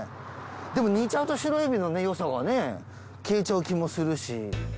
でも煮ちゃうとシロエビのよさが消えちゃう気もするし。